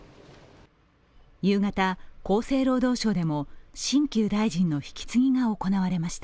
夕方、厚生労働省でも新旧大臣の引き継ぎが行われました。